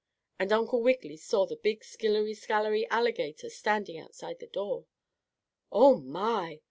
And Uncle Wiggily saw the big skillery scalery alligator standing outside the door. "Oh, my!"